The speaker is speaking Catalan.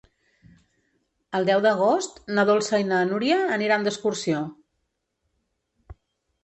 El deu d'agost na Dolça i na Núria aniran d'excursió.